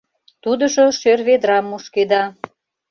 Тудыжо шӧр ведрам мушкеда.